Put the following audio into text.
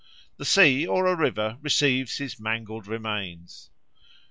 The sea or a river receives his mangled remains.